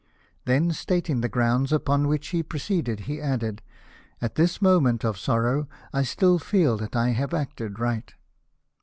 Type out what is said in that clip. Then stating the grounds upon which he had proceeded, he added :" At this moment of sorrow I still feel that I have acted right."